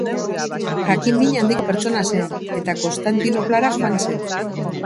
Jakin-min handiko pertsona zen, eta Konstantinoplara joan zen.